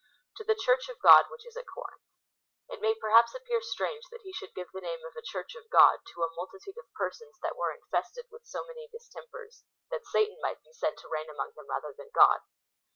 2. To the Church of God which is at Corinth. It may perhaps appear strange that he should give the name of a Church of God to a multitude of persons that were infested with so many distempers, that Satan might be said to reign among them rather than God.